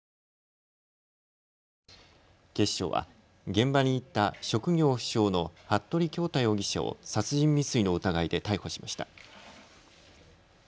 警視庁は現場にいた職業不詳の服部恭太容疑者を殺人未遂の疑いで逮捕しました。